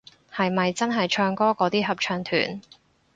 係咪真係唱歌嗰啲合唱團